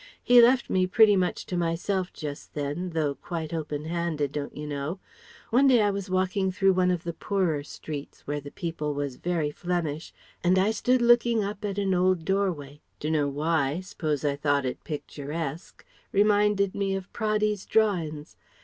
He left me pretty much to myself just then, though quite open handed, don't you know.... One day I was walking through one of the poorer streets where the people was very Flemish, and I stood looking up at an old doorway Dunno' why S'pose I thought it picturesque reminded me of Praddy's drawin's.